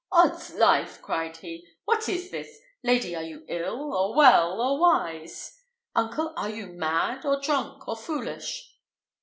"'Odslife!" cried he, "what is this? Lady, are you ill, or well, or wise? Uncle, are you mad, or drunk, or foolish?"